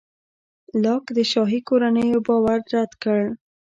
لاک د شاهي کورنیو باور رد کړ.